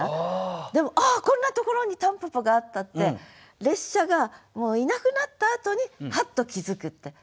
でも「ああこんなところに蒲公英があった」って列車がもういなくなったあとにハッと気付くって。